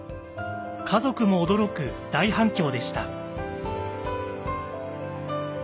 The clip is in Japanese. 家族も驚く大反響でした。